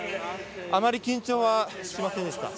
あまり緊張はしませんでした。